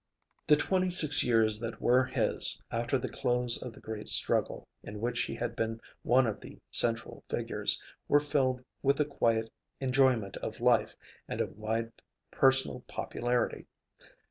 The twenty six years that were his after the close of the great struggle in which he had been one of the central figures, were filled with a quiet enjoyment of life and a wide personal popularity.